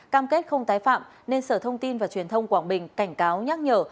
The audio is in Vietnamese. cam kết không tái phạm nên sở thông tin và truyền thông quảng bình cảnh cáo nhắc nhở